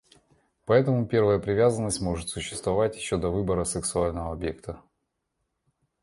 Поэтому первая привязанность может существовать еще до выбора сексуального объекта.